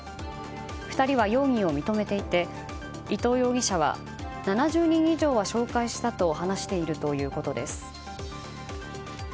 ２人は容疑を認めていてイトウ容疑者は７０人以上は紹介したと話しているということです。